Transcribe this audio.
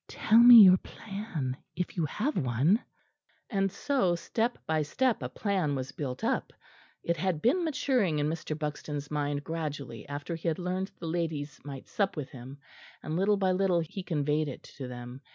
("Tell me your plan, if you have one.") And so step by step a plan was built up. It had been maturing in Mr. Buxton's mind gradually after he had learnt the ladies might sup with him; and little by little he conveyed it to them.